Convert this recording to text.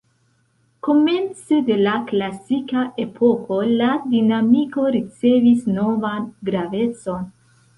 Komence de la klasika epoko la dinamiko ricevis novan gravecon.